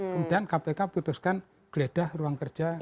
kemudian kpk putuskan geledah ruang kerja